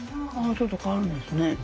ちょっと変わるんですね。